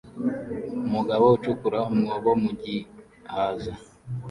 Umugabo ucukura umwobo mu gihaza